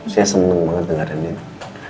saya senang banget dengarkan itu